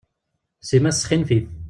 Sima tesxinfif.